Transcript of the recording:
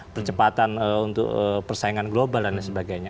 percepatan untuk persaingan global dan lain sebagainya